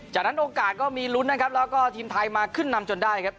จากนั้นโอกาสก็มีลุ้นนะครับแล้วก็ทีมไทยมาขึ้นนำจนได้ครับ